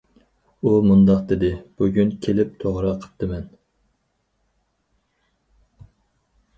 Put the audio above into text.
ئۇ مۇنداق دېدى: بۈگۈن كېلىپ توغرا قىپتىمەن!